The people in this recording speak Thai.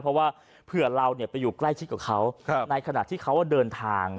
เพราะว่าเผื่อเราไปอยู่ใกล้ชิดกับเขาในขณะที่เขาเดินทาง